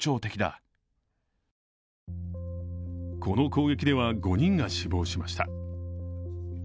この攻撃では５人が死亡しました